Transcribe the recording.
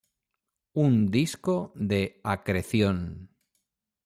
Un disco de acreción.